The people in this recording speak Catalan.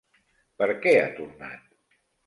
Per què ha tornat?